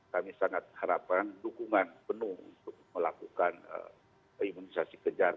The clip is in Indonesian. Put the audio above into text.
kami sangat harapkan dukungan penuh untuk melakukan imunisasi kejar